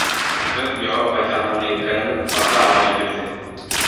Ҡыҙ яуап ҡайтарманы, иркәләнеп, ҡарҙа аунай бирҙе.